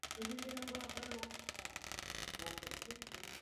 Son nombrados así en honor de Charles Hermite.